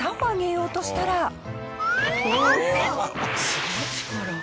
すごい力。